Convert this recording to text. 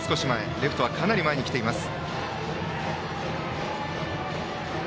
レフトはかなり前に来ています。